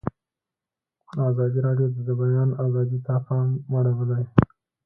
ازادي راډیو د د بیان آزادي ته پام اړولی.